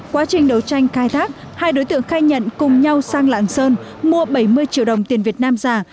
quá trình đấu tranh khai thác hai đối tượng khai nhận cùng nhau sang lạng sơn mua bảy mươi triệu đồng tiền việt nam giả